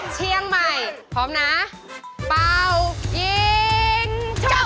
เชียงใหม่นิดหนึ่งเอาเชียงใหม่แค่วะ